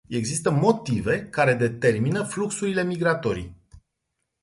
Există motive care determină fluxurile migratorii.